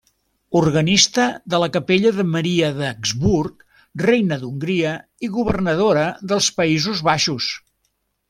Organista de la capella de Maria d'Habsburg, reina d'Hongria i governadora dels Països Baixos.